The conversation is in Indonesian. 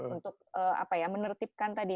untuk apa ya menertibkan tadi